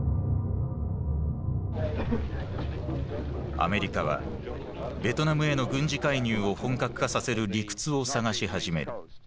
アメリカはベトナムへの軍事介入を本格化させる理屈を探し始める。